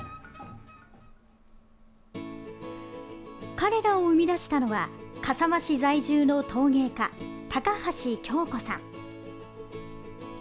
彼らを生み出したのは笠間市在住の陶芸家・高橋協子さん。